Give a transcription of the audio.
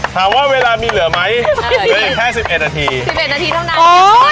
ถามว่าเวลามีเหลือไหมเหลืออย่างแค่สิบเอ็ดนาทีสิบเอ็ดนาทีเท่านั้น